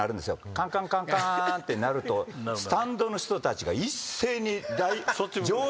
カンカンカンカンって鳴るとスタンドの人たちが一斉に上段にね。